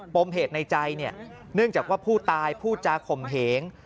มเหตุในใจเนื่องจากว่าผู้ตายพูดจาข่มเหง